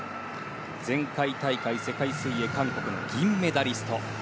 前回大会世界水泳韓国の銀メダリスト。